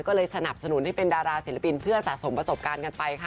ก็เลยสนับสนุนให้เป็นดาราศิลปินเพื่อสะสมประสบการณ์กันไปค่ะ